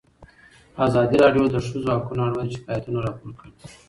ازادي راډیو د د ښځو حقونه اړوند شکایتونه راپور کړي.